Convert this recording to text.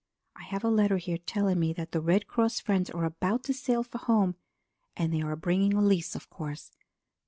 I have a letter here telling me that the Red Cross friends are about to sail for home and they are bringing Elise, of course.